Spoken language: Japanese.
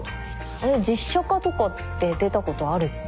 あれ実写化とかって出たことあるっけ？